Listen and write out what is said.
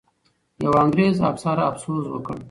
یو انګریزي افسر افسوس وکړ.